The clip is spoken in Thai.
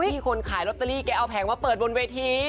พี่คนขายลอตเตอรี่แกเอาแผงมาเปิดบนเวที